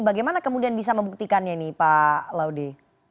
bagaimana kemudian bisa membuktikannya ini pak laude